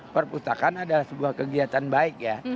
perpustakaan adalah sebuah kegiatan baik ya